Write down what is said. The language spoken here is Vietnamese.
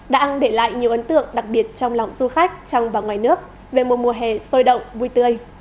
đã để lại nhiều ấn tượng đặc biệt trong lòng du khách trong và ngoài nước về một mùa hè sôi động vui tươi